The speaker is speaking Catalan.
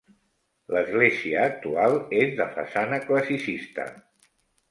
L'església actual és de façana classicista.